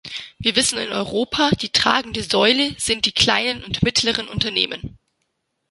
Wir wissen in Europa, die tragende Säule sind die kleinen und mittleren Unternehmen.